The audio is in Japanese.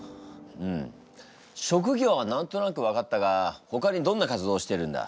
うん職業は何となく分かったがほかにどんな活動をしてるんだ？